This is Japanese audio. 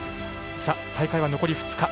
大会は残り２日。